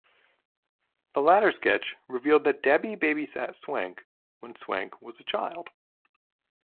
The latter sketch revealed that Debbie babysat Swank when Swank was a child.